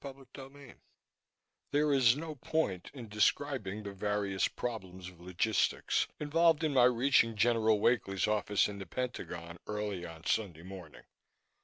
CHAPTER 18 There is no point in describing the various problems of logistics involved in my reaching General Wakely's office in the Pentagon early on Sunday morning.